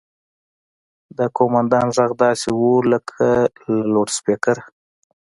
د قوماندان غږ داسې و لکه له لوډسپيکره.